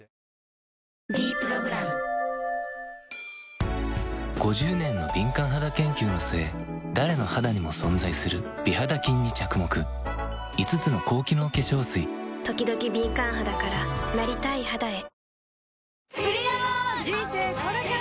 「ｄプログラム」５０年の敏感肌研究の末誰の肌にも存在する美肌菌に着目５つの高機能化粧水ときどき敏感肌からなりたい肌へ人生これから！